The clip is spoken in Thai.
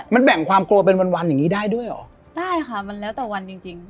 มันแบ่งความกลัวเป็นวันวันอย่างงี้ได้ด้วยเหรอได้ค่ะมันแล้วแต่วันจริงจริง